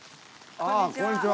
ああこんにちは。